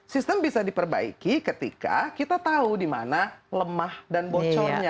sistem bisa diperbaiki ketika kita tahu di mana lemah dan bocornya